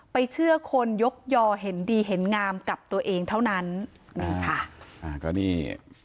เชื่อคนยกยอเห็นดีเห็นงามกับตัวเองเท่านั้นนี่ค่ะอ่าก็นี่